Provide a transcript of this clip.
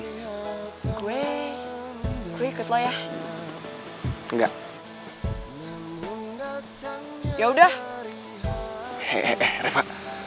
di ujung dunia